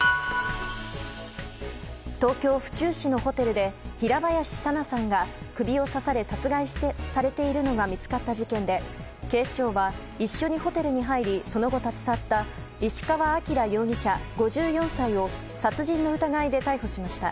東京・府中市のホテルで平林さなさんが首を刺され殺害されているのが見つかった事件で警視庁は、一緒にホテルに入りその後、立ち去った石川晃容疑者、５４歳を殺人の疑いで逮捕しました。